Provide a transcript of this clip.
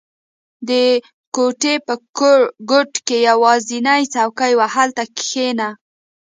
• د کوټې په ګوټ کې یوازینی څوکۍ وه، هلته کښېنه.